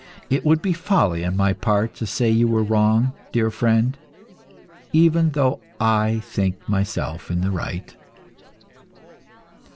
It would be folly on my part to say you were wrong, dear friend, even though I think myself in the right.